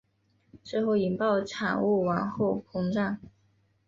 之后引爆产物往后膨胀。